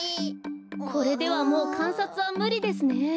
これではもうかんさつはむりですね。